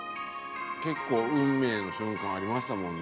結構運命の瞬間ありましたもんね。